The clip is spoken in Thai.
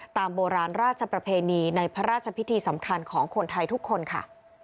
ตามโบราณราชประเพณีในพระราชพิธีสำคัญของคนไทยทุกคนค่ะ